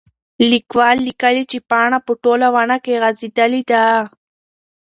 لیکوال لیکلي چې پاڼه په ټوله ونه کې غځېدلې ده.